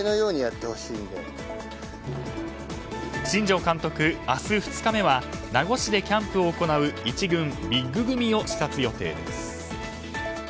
新庄監督、明日２日目は名護市でキャンプを行う１軍ビッグ組を視察予定です。